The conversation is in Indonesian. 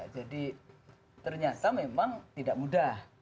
jadi ternyata memang tidak mudah